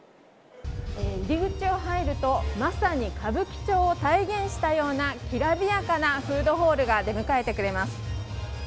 入り口を入るとまさに歌舞伎町を体現したような、きらびやかなフードホールが出迎えてくれます。